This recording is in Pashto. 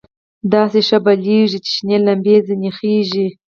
داسې ښه بلېږي چې شنې لمبې ځنې خېژي.